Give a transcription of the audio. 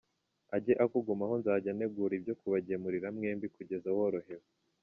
Ajye akugumaho nzajya ntegura ibyo kubagemurira mwembi kugeza worohewe.